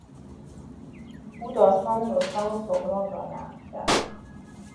او داستان رستم و سهراب را نقل کرد.